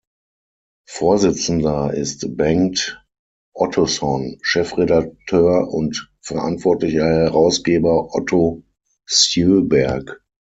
Vorsitzender ist Bengt Ottosson, Chefredakteur und verantwortlicher Herausgeber Otto Sjöberg.